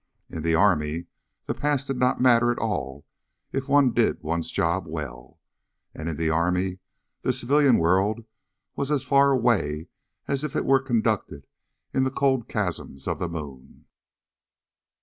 In the army, the past did not matter at all if one did one's job well. And in the army, the civilian world was as far away as if it were conducted in the cold chasms of the moon.